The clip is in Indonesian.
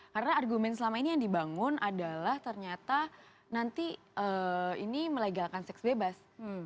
karena argumen selama ini yang dibangun adalah ternyata nanti ini melegalkan seks bebas